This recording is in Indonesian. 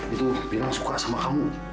itu bilang suka sama kamu